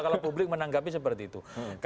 kalau publik menanggapi seperti itu